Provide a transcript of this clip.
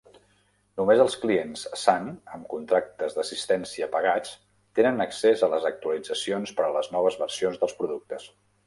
Només els clients Sun amb contractes d"assistència pagats tenen accés a les actualitzacions per a les noves versions del productes.